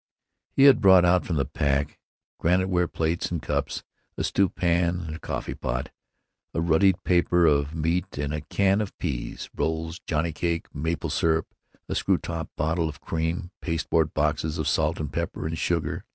He had brought out, from the pack, granite ware plates and cups, a stew pan and a coffee pot, a ruddied paper of meat and a can of peas, rolls, Johnny cake, maple syrup, a screw top bottle of cream, pasteboard boxes of salt and pepper and sugar.